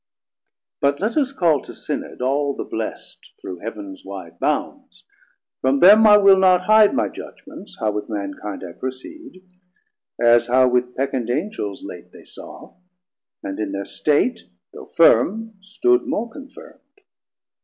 But let us call to Synod all the Blest Through Heav'ns wide bounds; from them I will not hide My judgments, how with Mankind I proceed, As how with peccant Angels late they saw; 70 And in thir state, though firm, stood more confirmd.